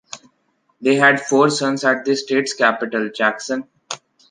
They had four sons at the state’s capital, Jackson.